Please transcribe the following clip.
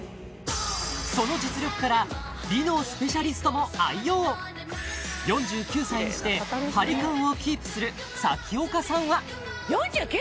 その実力から美のスペシャリストも愛用４９歳にしてハリ感をキープする咲丘さんは４９？